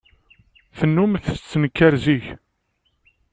Tennum tettenkar zik.